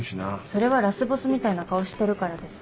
それはラスボスみたいな顔してるからです。